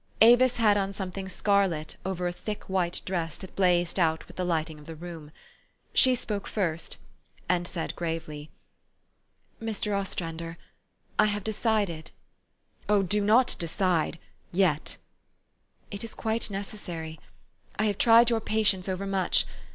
Avis had on something scarlet over a thick white dress that blazed out with the lighting of the room. She spoke first, and she said gravely, " Mr. Ostrander, I have decided "" Oh ! do not decide yet/ '" It is quite necessary. I have tried your patience overmuch.